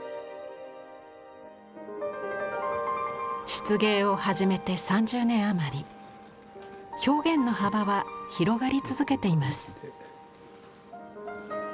漆芸を始めて３０年余り表現の幅は広がり続けています。